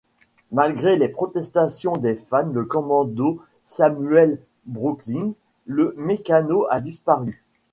Malgré les protestations des fans, le commando Samuel Brooklin, le mécano, a disparu.